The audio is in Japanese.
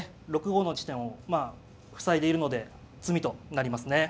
６五の地点をまあ塞いでいるので詰みとなりますね。